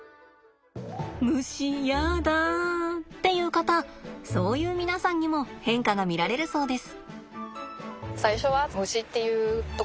「虫やだ」っていう方そういう皆さんにも変化が見られるそうです。